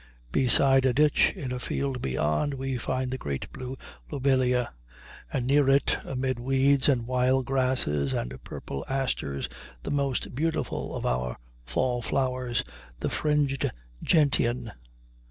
Beside a ditch in a field beyond, we find the great blue lobelia, and near it, amid the weeds and wild grasses and purple asters, the most beautiful of our fall flowers, the fringed gentian.